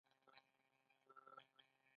کله کله حالات د تمي خلاف وي.